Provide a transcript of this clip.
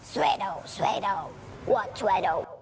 สเวดโตสเวดโตหวัดสเวดโต